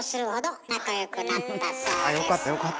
よかったよかった。